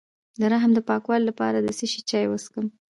د رحم د پاکوالي لپاره د څه شي چای وڅښم؟